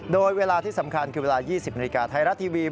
โดยเวลาที่สำคัญคือเวลา๒๐นาฬิกาไทยรัฐทีวี